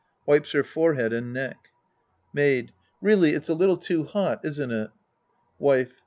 ( Wipes her forehead and neck.) Maid. Really it's a little too hot, isn't it ? Wife.